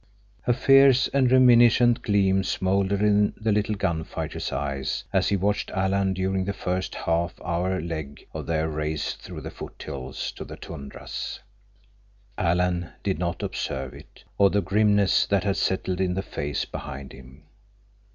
A fierce and reminiscent gleam smoldered in the little gun fighter's eyes as he watched Alan during the first half hour leg of their race through the foothills to the tundras. Alan did not observe it, or the grimness that had settled in the face behind him.